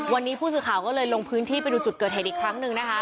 วันนี้ผู้สื่อข่าวก็เลยลงพื้นที่ไปดูจุดเกิดเหตุอีกครั้งหนึ่งนะคะ